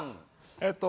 えっと